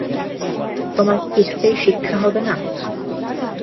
তোমার কি কিছুতেই শিক্ষা হবে না!